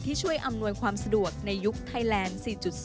ช่วยอำนวยความสะดวกในยุคไทยแลนด์๔๐